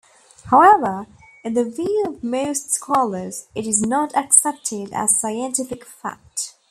However, in the view of most scholars, it is not accepted as scientific fact.